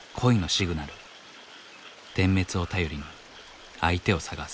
点滅を頼りに相手を探す。